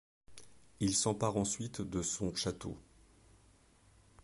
Il s'empare ensuite de son château.